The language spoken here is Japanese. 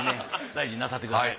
大事になさってください。